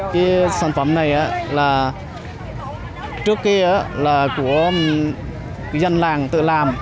cái sản phẩm này là trước kia là của dân làng tự làm